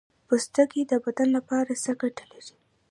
پوستکی د بدن لپاره څه ګټه لري